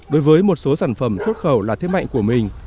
đối với một số sản phẩm xuất khẩu là thế mạnh của mình